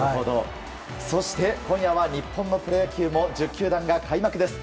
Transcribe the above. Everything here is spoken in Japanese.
そして、今夜は日本のプロ野球も１０球団が開幕です。